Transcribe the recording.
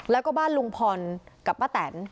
แล้วก็บ้านลุงพรกับป้าแตน